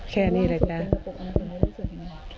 แค่นี้แหละซ้าย